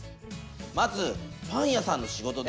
まずパン屋さんの仕事で。